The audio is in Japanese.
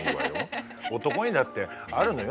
男にだってあるのよ